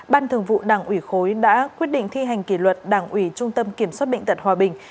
ban thường vụ đảng ủy khối đã quyết định thi hành kỷ luật đảng ủy trung tâm kiểm soát bệnh tật hòa bình